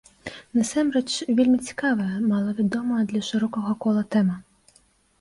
Насамрэч вельмі цікавая, малавядомая для шырокага кола тэма.